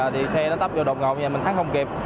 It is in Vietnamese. thì xe nó tắp vô đột ngột mình thắng không kịp